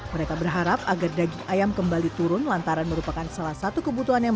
mereka berharap agar daging ayam kembali turun lantaran merupakan salah satu kebutuhan yang